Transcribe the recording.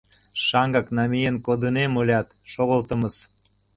Шаҥгак намиен кодынем ылят, шогылтымыс.